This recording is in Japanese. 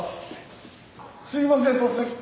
すいません突然。